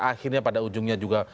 akhirnya pada ujungnya juga